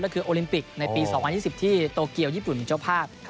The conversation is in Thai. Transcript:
ก็คือโอลิมปิกในปี๒๐๒๐ที่โตเกียวญี่ปุ่นเจ้าภาพ